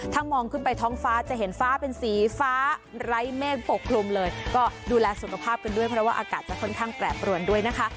ถ้ามองขึ้นไปท้องฟ้าจะเห็นฟ้าเป็นสีฟ้าไร้เมฆปกคลุมเลยก็ดูแลสุขภาพกันด้วยเพราะว่าอากาศจะค่อนข้างแปรปรวนด้วยนะคะ